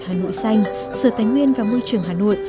hà nội xanh sở tánh nguyên và môi trường hà nội